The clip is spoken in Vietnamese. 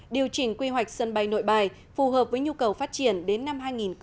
điều chỉnh quy hoạch sân bay nội bài phù hợp với nhu cầu phát triển đến năm hai nghìn ba mươi